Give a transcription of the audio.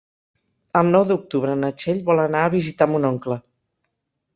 El nou d'octubre na Txell vol anar a visitar mon oncle.